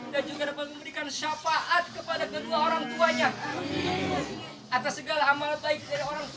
dan kita mudah mudahan ini yang musnul khotimah